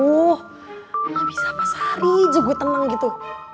oh bisa pas hari juga gue tenang gitu